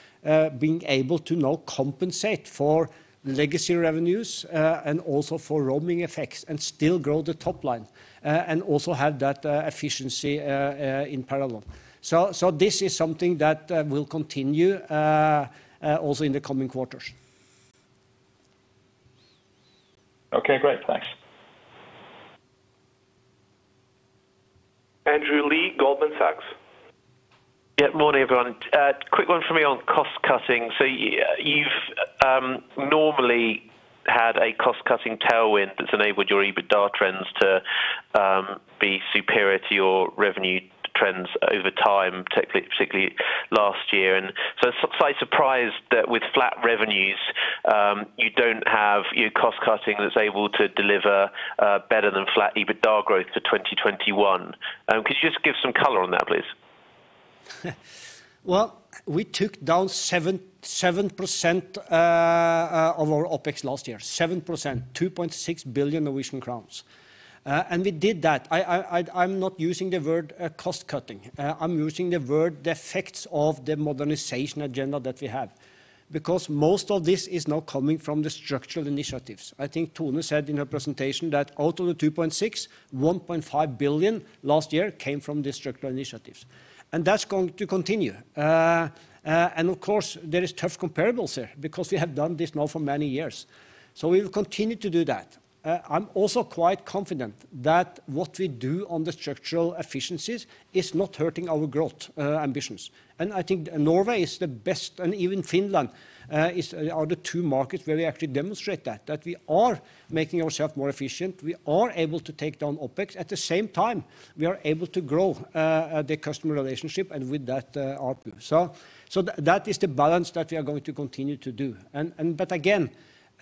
being able to now compensate for legacy revenues, and also for roaming effects, and still grow the top line, and also have that efficiency in parallel. This is something that will continue also in the coming quarters. Okay, great. Thanks. Andrew Lee, Goldman Sachs. Yeah. Morning, everyone. Quick one for me on cost cutting. You've normally had a cost-cutting tailwind that's enabled your EBITDA trends to be superior to your revenue trends over time, particularly last year. Slight surprise that with flat revenues, you don't have your cost cutting that's able to deliver better than flat EBITDA growth to 2021. Could you just give some color on that, please? Well, we took down 7% of our OpEx last year. 7%. 2.6 billion Norwegian crowns. We did that. I'm not using the word cost-cutting. I'm using the word the effects of the modernization agenda that we have. Because most of this is now coming from the structural initiatives. I think Tone said in her presentation that out of the 2.6 billion, 1.5 billion last year came from the structural initiatives. That's going to continue. Of course, there is tough comparables here because we have done this now for many years. We will continue to do that. I'm also quite confident that what we do on the structural efficiencies is not hurting our growth ambitions. I think Norway is the best, and even Finland, are the two markets where we actually demonstrate that. That we are making ourselves more efficient. We are able to take down OpEx. At the same time, we are able to grow the customer relationship and with that, ARPU. That is the balance that we are going to continue to do. Again,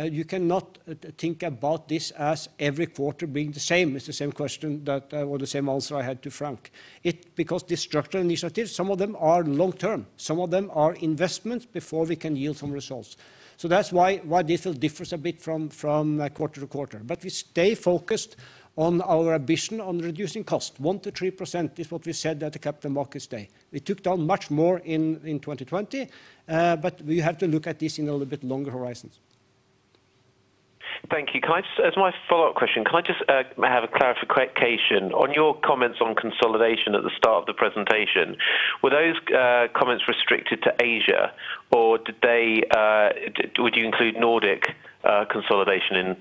you cannot think about this as every quarter being the same. It's the same question that or the same answer I had to Frank. The structural initiatives, some of them are long-term, some of them are investments before we can yield some results. That's why this will differ a bit from quarter to quarter. We stay focused on our ambition on reducing cost. 1%-3% is what we said at the Capital Markets Day. We took down much more in 2020. We have to look at this in a little bit longer horizons. Thank you. As my follow-up question, can I just have a clarification? On your comments on consolidation at the start of the presentation, were those comments restricted to Asia or would you include Nordic consolidation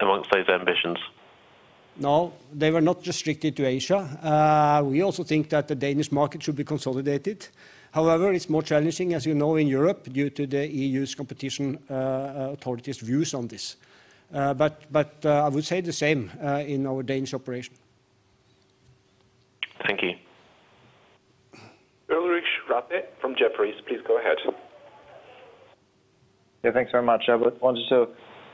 amongst those ambitions? No, they were not restricted to Asia. We also think that the Danish market should be consolidated. However, it's more challenging, as you know, in Europe, due to the EU's competition authorities' views on this. I would say the same in our Danish operation. Thank you. Ulrich Rathe from Jefferies, please go ahead. Yeah, thanks very much. I wanted to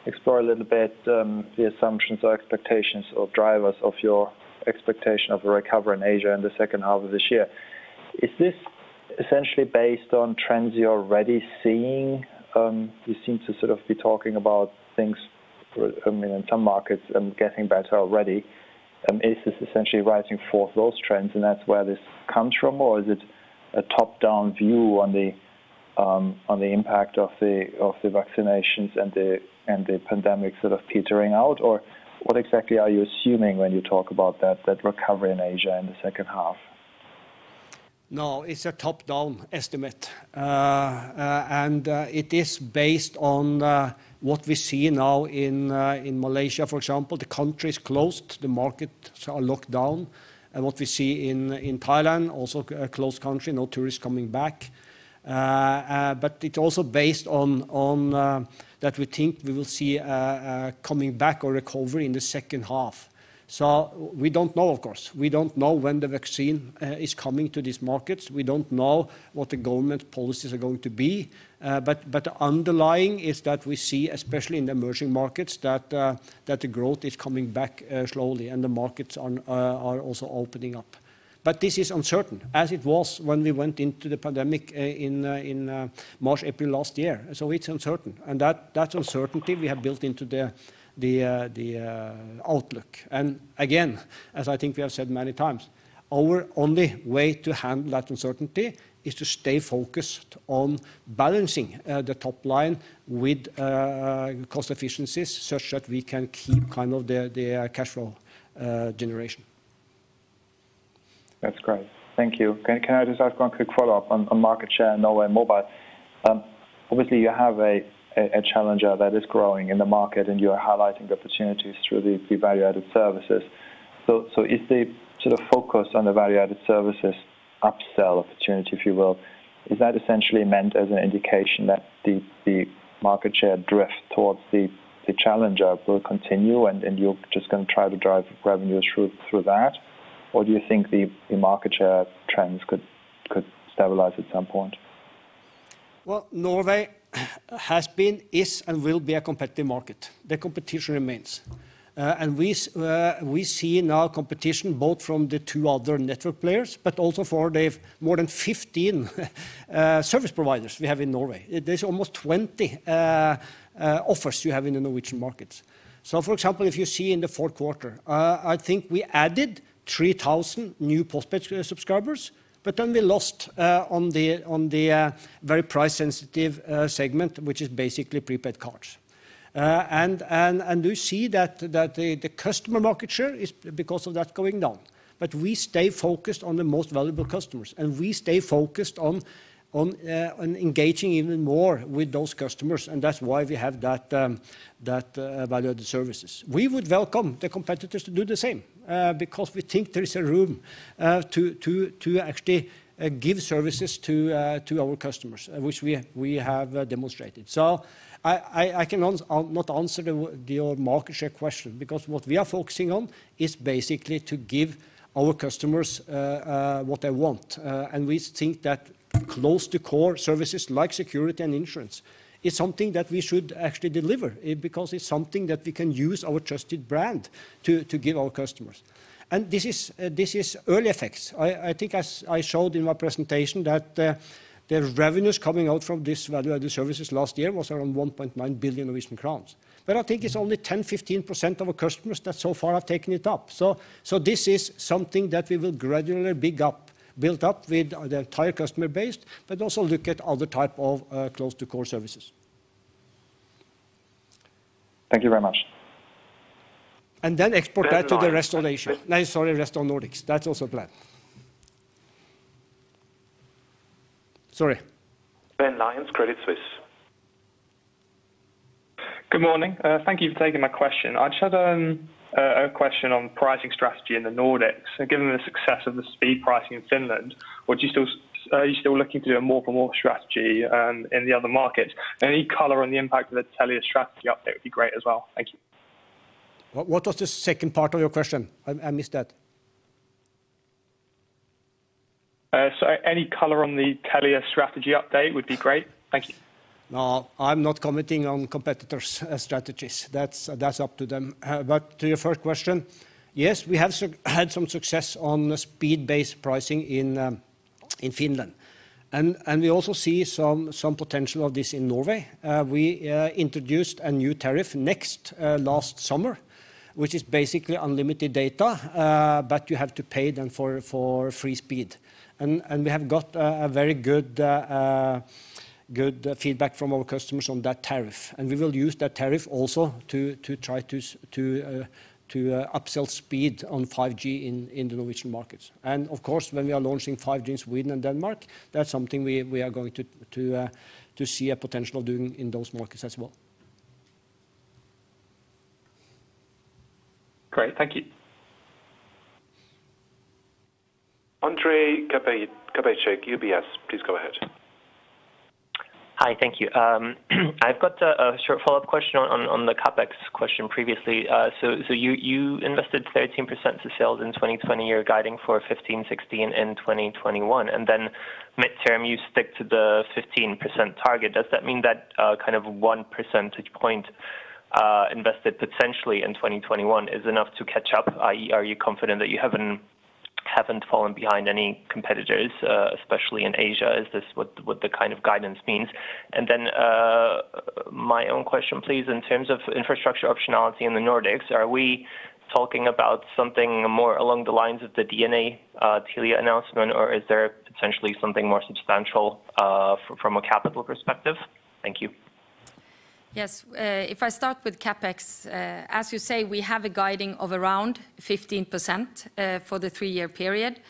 explore a little bit the assumptions or expectations or drivers of your expectation of a recovery in Asia in the second half of this year. Is this essentially based on trends you're already seeing? You seem to sort of be talking about things, I mean, in some markets getting better already. Is this essentially rising forth those trends and that's where this comes from? Is it a top-down view on the impact of the vaccinations and the pandemic sort of petering out? What exactly are you assuming when you talk about that recovery in Asia in the second half? No, it's a top-down estimate. It is based on what we see now in Malaysia, for example. The country is closed, the markets are locked down. What we see in Thailand, also a closed country, no tourists coming back. It's also based on that we think we will see a coming back or recovery in the second half. We don't know, of course. We don't know when the vaccine is coming to these markets. We don't know what the government policies are going to be. Underlying is that we see, especially in the emerging markets, that the growth is coming back slowly and the markets are also opening up. This is uncertain, as it was when we went into the pandemic in March, April last year. It's uncertain. That uncertainty we have built into the outlook. Again, as I think we have said many times, our only way to handle that uncertainty is to stay focused on balancing the top line with cost efficiencies such that we can keep the cash flow generation. That's great. Thank you. Can I just ask one quick follow-up on market share in Norway mobile? Obviously, you have a challenger that is growing in the market, and you are highlighting the opportunities through the value-added services. Is the sort of focus on the value-added services up-sell opportunity, if you will, is that essentially meant as an indication that the market share drift towards the challenger will continue and you're just going to try to drive revenue through that? Do you think the market share trends could stabilize at some point? Well, Norway has been, is, and will be a competitive market. The competition remains. We see now competition both from the two other network players, but also for the more than 15 service providers we have in Norway. There's almost 20 offers you have in the Norwegian market. For example, if you see in the fourth quarter, I think we added 3,000 new post-paid subscribers, but then we lost on the very price-sensitive segment, which is basically pre-paid cards. We see that the customer market share is because of that going down. We stay focused on the most valuable customers, and we stay focused on engaging even more with those customers, and that's why we have that value-added services. We would welcome the competitors to do the same because we think there is a room to actually give services to our customers, which we have demonstrated. I cannot answer your market share question because what we are focusing on is basically to give our customers what they want. We think that close to core services like security and insurance is something that we should actually deliver because it's something that we can use our trusted brand to give our customers. This is early effects. I think as I showed in my presentation that the revenues coming out from these value-added services last year was around 1.9 billion Norwegian crowns. I think it's only 10%-15% of our customers that so far have taken it up. This is something that we will gradually build up with the entire customer base, but also look at other type of close to core services. Thank you very much. Then export that to the rest of Asia. Sorry, rest of Nordics. That's also the plan. Sorry. Ben Lyons, Credit Suisse. Good morning. Thank you for taking my question. I just had a question on pricing strategy in the Nordics. Given the success of the speed pricing in Finland, are you still looking to do a more for more strategy in the other markets? Any color on the impact of the Telia strategy update would be great as well. Thank you. What was the second part of your question? I missed that. Sorry, any color on the Telia strategy update would be great. Thank you. No, I am not commenting on competitors' strategies. That is up to them. To your first question, yes, we have had some success on speed-based pricing in Finland. We also see some potential of this in Norway. We introduced a new tariff last summer, which is basically unlimited data, but you have to pay then for free speed. We have got a very good feedback from our customers on that tariff. We will use that tariff also to try to upsell speed on 5G in the Norwegian markets. Of course, when we are launching 5G in Sweden and Denmark, that is something we are going to see a potential of doing in those markets as well. Great. Thank you. Ondrej Cabejšek, UBS, please go ahead. Hi. Thank you. I've got a short follow-up question on the CapEx question previously. You invested 13% of sales in 2020 year, guiding for 15%-16% in 2021. Midterm, you stick to the 15% target. Does that mean that 1 percentage point invested potentially in 2021 is enough to catch up, i.e., are you confident that you haven't fallen behind any competitors, especially in Asia? Is this what the kind of guidance means? My own question please, in terms of infrastructure optionality in the Nordics, are we talking about something more along the lines of the DNA Telia announcement or is there potentially something more substantial from a capital perspective? Thank you. Yes. If I start with CapEx, as you say, we have a guiding of around 15% for the three-year period.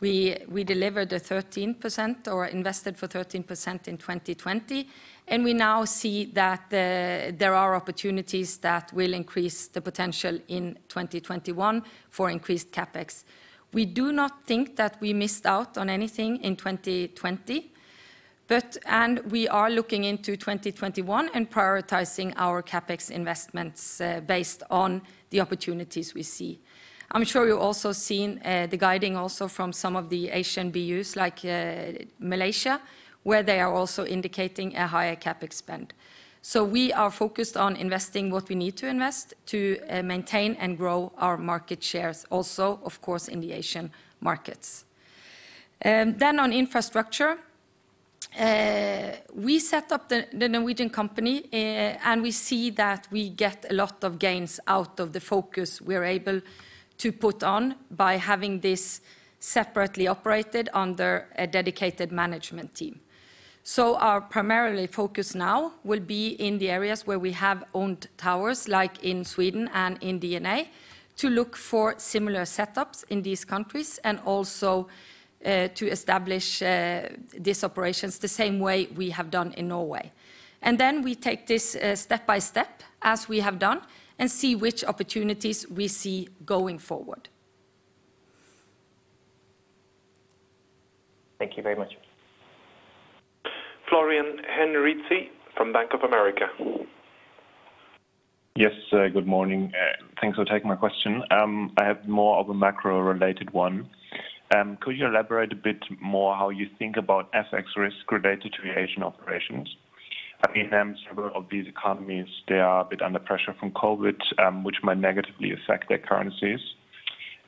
We delivered a 13% or invested for 13% in 2020, we now see that there are opportunities that will increase the potential in 2021 for increased CapEx. We do not think that we missed out on anything in 2020. We are looking into 2021 and prioritizing our CapEx investments based on the opportunities we see. I'm sure you've also seen the guiding also from some of the Asian BUs like Malaysia, where they are also indicating a higher CapEx spend. We are focused on investing what we need to invest to maintain and grow our market shares also, of course, in the Asian markets. On infrastructure, we set up the Norwegian company, and we see that we get a lot of gains out of the focus we're able to put on by having this separately operated under a dedicated management team. Our primary focus now will be in the areas where we have owned towers, like in Sweden and in DNA, to look for similar setups in these countries and also to establish these operations the same way we have done in Norway. We take this step by step as we have done and see which opportunities we see going forward. Thank you very much. Florian Henritzi from Bank of America. Yes. Good morning. Thanks for taking my question. I have more of a macro-related one. Could you elaborate a bit more how you think about FX risk related to your Asian operations? Several of these economies, they are a bit under pressure from COVID, which might negatively affect their currencies.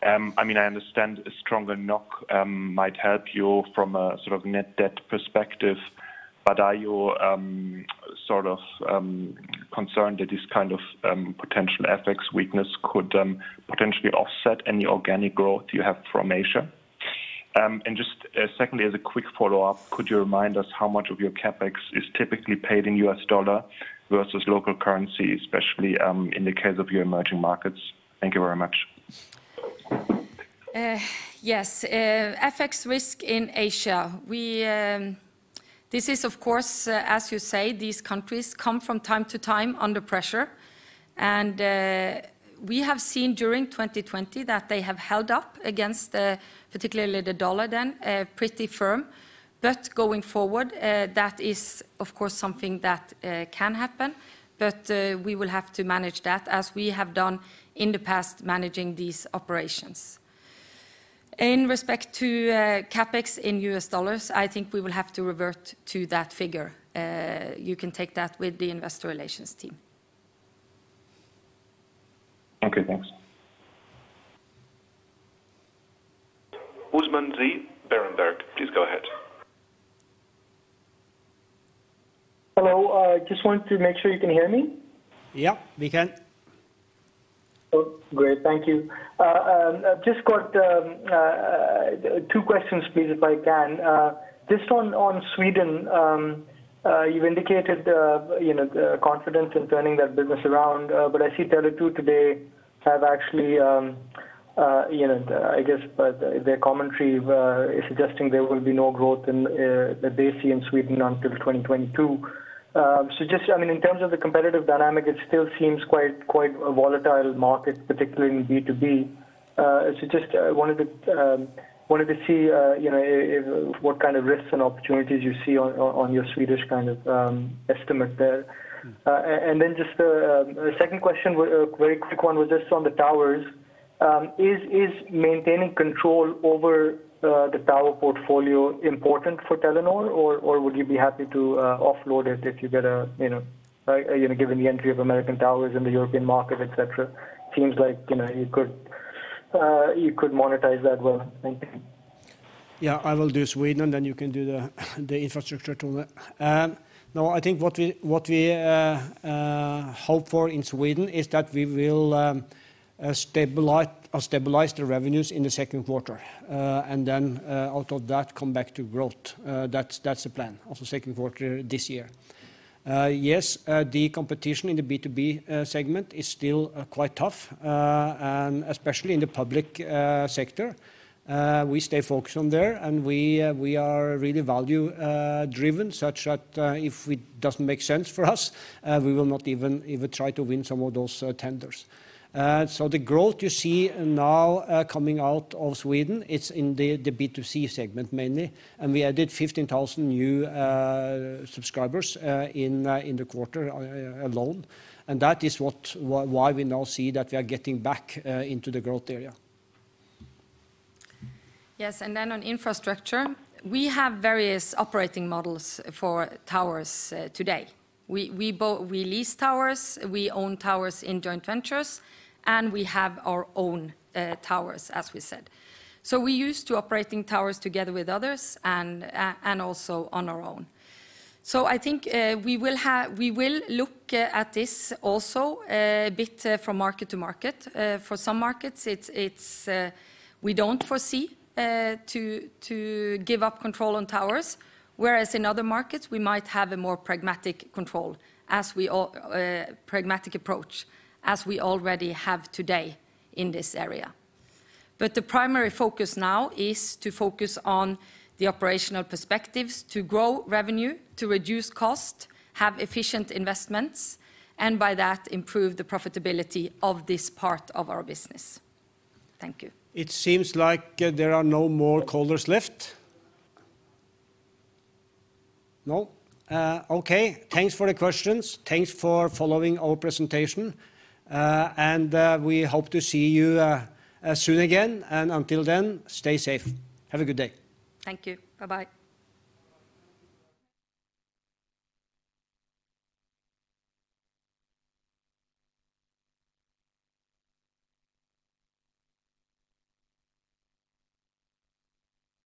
I understand a stronger NOK might help you from a net debt perspective, but are you concerned that this kind of potential FX weakness could potentially offset any organic growth you have from Asia? Just secondly, as a quick follow-up, could you remind us how much of your CapEx is typically paid in U.S. dollar versus local currency, especially in the case of your emerging markets? Thank you very much. Yes. FX risk in Asia. This is, of course as you say, these countries come from time to time under pressure. We have seen during 2020 that they have held up against particularly the U.S. dollar then pretty firm. Going forward, that is of course something that can happen, but we will have to manage that as we have done in the past managing these operations. In respect to CapEx in U.S. dollars, I think we will have to revert to that figure. You can take that with the investor relations team. Okay, thanks. Usman Ghazi, Berenberg. Please go ahead. Hello. Just wanted to make sure you can hear me. Yeah, we can. Oh, great. Thank you. Just got two questions please, if I can. Just on Sweden, you've indicated confidence in turning that business around, but I see Tele2 today have actually, I guess their commentary is suggesting there will be no growth that they see in Sweden until 2022. Just in terms of the competitive dynamic, it still seems quite a volatile market, particularly in B2B. Just wanted to see what kind of risks and opportunities you see on your Swedish estimate there. Just a second question, a very quick one, was just on the towers. Is maintaining control over the tower portfolio important for Telenor, or would you be happy to offload it? Given the entry of American Tower in the European market, et cetera. Seems like you could monetize that well. Thank you. I will do Sweden, then you can do the infrastructure Tone. I think what we hope for in Sweden is that we will stabilize the revenues in the second quarter. Out of that, come back to growth. That's the plan of the second quarter this year. The competition in the B2B segment is still quite tough, and especially in the public sector. We stay focused on there and we are really value driven, such that if it doesn't make sense for us, we will not even try to win some of those tenders. The growth you see now coming out of Sweden, it's in the B2C segment mainly, and we added 15,000 new subscribers in the quarter alone, and that is why we now see that we are getting back into the growth area. Yes, on infrastructure, we have various operating models for towers today. We lease towers, we own towers in joint ventures, and we have our own towers, as we said. We're used to operating towers together with others and also on our own. I think we will look at this also a bit from market to market. For some markets, we don't foresee to give up control on towers. Whereas in other markets, we might have a more pragmatic approach, as we already have today in this area. The primary focus now is to focus on the operational perspectives, to grow revenue, to reduce cost, have efficient investments, and by that improve the profitability of this part of our business. Thank you. It seems like there are no more callers left. No? Okay. Thanks for the questions. Thanks for following our presentation. We hope to see you soon again. Until then, stay safe. Have a good day. Thank you. Bye-bye.